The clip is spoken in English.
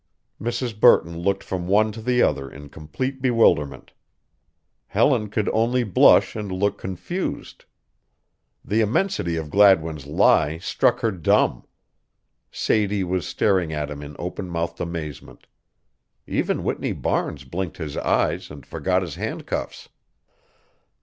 Mrs. Burton looked from one to the other in complete bewilderment. Helen could only blush and look confused. The immensity of Gladwin's lie struck her dumb. Sadie was staring at him in open mouthed amazement. Even Whitney Barnes blinked his eyes and forgot his handcuffs.